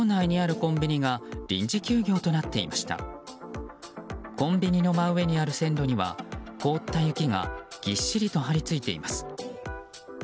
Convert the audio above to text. コンビニの真上にある線路には凍った雪がぎっしりと張り付いています。